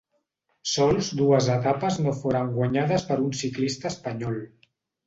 Sols dues etapes no foren guanyades per un ciclista espanyol.